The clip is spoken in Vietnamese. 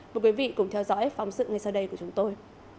mời quý vị cùng theo dõi phóng sự ngay sau đây của chúng tôi